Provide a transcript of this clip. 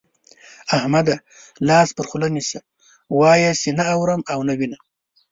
احمده! لاس پر خوله نيسه، وايه چې نه اورم او نه وينم.